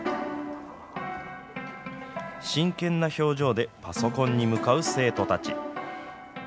真剣な表情でパソコンに向かう生徒たち。